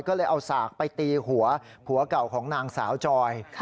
ก็เลยเอาสากไปตีหัวผัวเก่าของนางสาวจอย